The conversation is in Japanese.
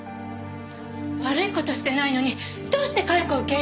悪い事してないのにどうして解雇を受け入れるの？